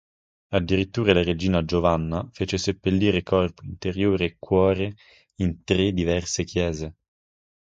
Addirittura la regina Giovanna fece seppellire corpo, interiora, e cuore in tre diverse chiese.